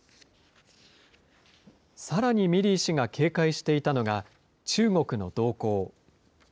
さらにミリー氏が警戒していたのが、中国の動向。